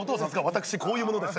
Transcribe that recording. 私こういう者です。